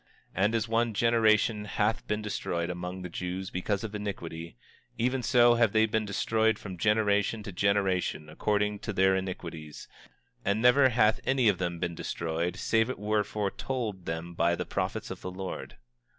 25:9 And as one generation hath been destroyed among the Jews because of iniquity, even so have they been destroyed from generation to generation according to their iniquities; and never hath any of them been destroyed save it were foretold them by the prophets of the Lord.